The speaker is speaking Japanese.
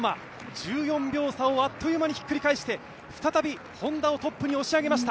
１４秒差をあっという間にひっくり返して再びＨｏｎｄａをトップに押し上げました。